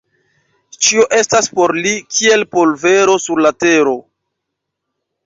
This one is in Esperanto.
Ĉio estas por li kiel polvero sur la tero.